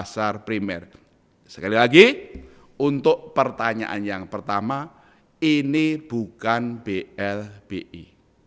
sekali lagi untuk pertanyaan yang pertama ini bukan blbi